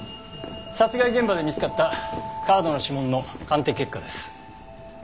殺害現場で見つかったカードの指紋の鑑定結果です。